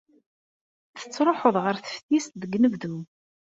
Tettruḥuḍ ɣer teftist deg unebdu.